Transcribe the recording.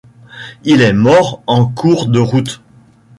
Il est mort en cours de route.